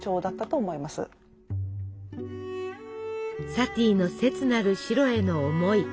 サティの切なる「白」への思い。